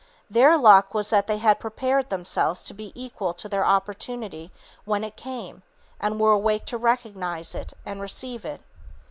Their "luck" was that they had prepared themselves to be equal to their opportunity when it came and were awake to recognize it and receive it.